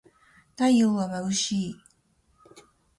太陽はまぶしい